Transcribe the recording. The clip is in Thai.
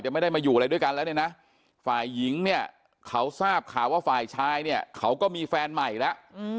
ไม่ได้มาอยู่อะไรด้วยกันแล้วเนี่ยนะฝ่ายหญิงเนี่ยเขาทราบข่าวว่าฝ่ายชายเนี่ยเขาก็มีแฟนใหม่แล้ว